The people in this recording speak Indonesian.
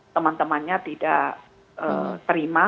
teman temannya tidak terima